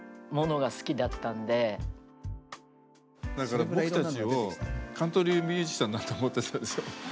俺たちをカントリーミュージシャンだと思ってたでしょ？